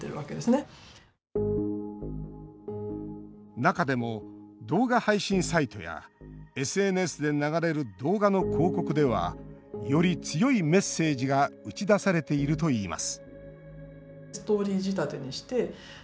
中でも、動画配信サイトやＳＮＳで流れる動画の広告ではより強いメッセージが打ち出されているといいます